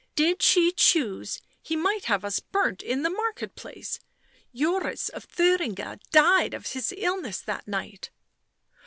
" Did she choose he might have us burnt in the market place— Joris of Thuringia died of his illness that night."